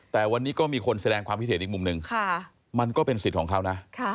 แต่วันนี้ก็มีคนแสดงความคิดเห็นอีกมุมหนึ่งมันก็เป็นสิทธิ์ของเขานะ